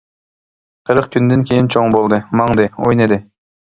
قىرىق كۈندىن كېيىن چوڭ بولدى، ماڭدى، ئوينىدى.